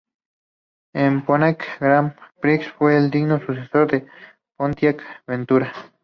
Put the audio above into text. El Pontiac Grand Prix fue el digno sucesor del Pontiac Ventura.